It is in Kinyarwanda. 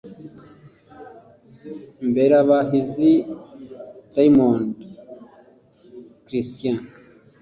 Mberabahizi Raymond Chretien